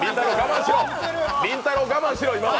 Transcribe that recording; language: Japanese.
りんたろー我慢しろ、今は。